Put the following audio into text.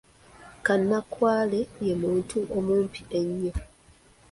Kannakwale ye muntu omumpi ennyo.